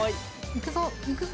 いくぞ！